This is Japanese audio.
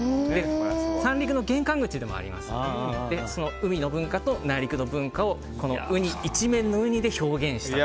三陸の玄関口でもありますので海の文化と内陸の文化をこの一面のウニで表現した。